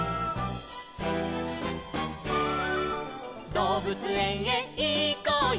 「どうぶつえんへいこうよ